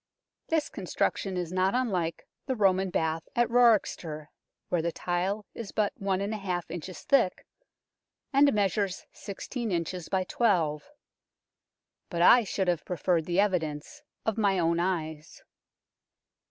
This construc tion is not unlike the Roman bath at Wroxeter, where the tile is but i inches thick, and measures 16 inches by 12. But I should have preferred the evidence of my own eyes.